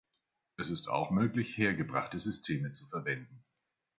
Es ist auch möglich hergebrachte Systeme zu verwenden.